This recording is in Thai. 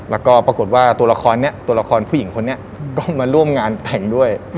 แล้วก็ปรากฏว่าตัวละครนี้ตัวละครผู้หญิงคนนี้ก็มาร่วมงานแต่งด้วย